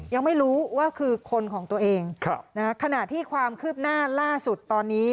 ยังไม่รู้ว่าคือคนของตัวเองขณะที่ความคืบหน้าล่าสุดตอนนี้